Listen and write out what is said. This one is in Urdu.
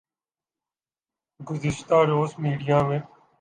گزشتہ روز میڈیا میں